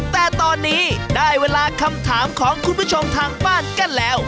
แต่ตอนนี้ได้เวลาคำถามของคุณผู้ชมทางบ้านกันแล้ว